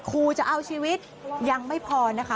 ครูจะเอาชีวิตยังไม่พอนะคะ